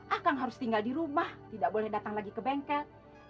akang harus tinggal di rumah tidak boleh datang lagi ke bengkel